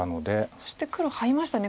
そして黒ハイましたね。